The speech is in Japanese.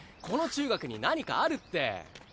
この中学に何かあるって。